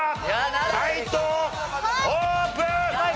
解答オープン！